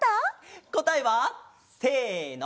こたえはせの！